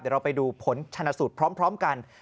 เดี๋ยวเราไปดูผลชนะสูตรพร้อมกัน